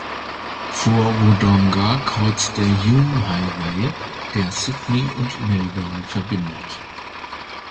Vor Wodonga kreuzt der Hume Highway, der Sydney und Melbourne verbindet.